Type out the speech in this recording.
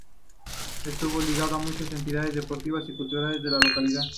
Estuvo ligado a muchas entidades deportivas y culturales de la localidad.